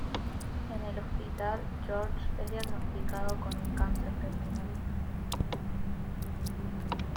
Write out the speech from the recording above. En el hospital, George es diagnosticado con un cáncer terminal.